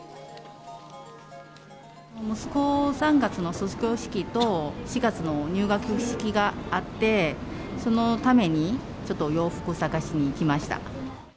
息子の３月の卒業式と４月の入学式があって、そのためにちょっと洋服探しに来ました。